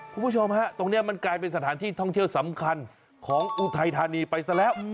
คุณผู้ชมฮะตรงนี้มันกลายเป็นสถานที่ท่องเที่ยวสำคัญของอุทัยธานีไปซะแล้ว